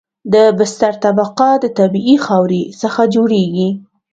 د بستر طبقه د طبیعي خاورې څخه جوړیږي